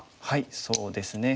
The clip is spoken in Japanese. そうですね